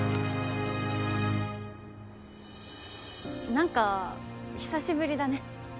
何か久しぶりだね。